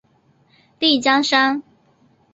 丽江杉